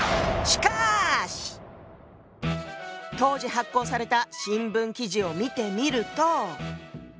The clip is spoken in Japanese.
当時発行された新聞記事を見てみると。